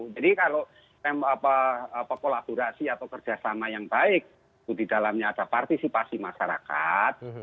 jadi kalau kolaborasi atau kerjasama yang baik itu didalamnya ada partisipasi masyarakat